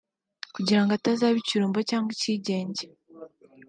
kugira ngo atazaba ikirumbo cyangwa ikigenge